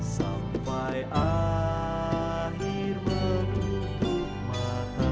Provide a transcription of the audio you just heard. sampai akhir berutuh mata